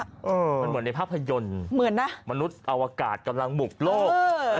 มันเหมือนในภาพยนตร์เหมือนนะมนุษย์อวกาศกำลังบุกโลก